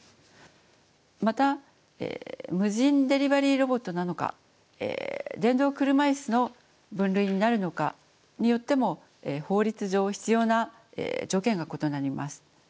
また無人デリバリーロボットなのか電動車いすの分類になるのかによっても法律上必要な条件が異なります。